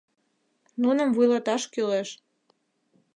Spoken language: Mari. Нуным вуйлаташ кӱлеш.